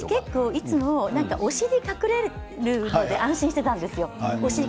いつもお尻が隠れるもので安心していたんですよ。